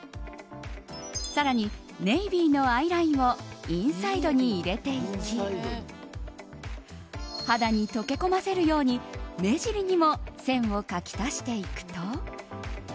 更に、ネイビーのアイラインをインサイドに入れていき肌に溶け込ませるように目尻にも線を描き足していくと。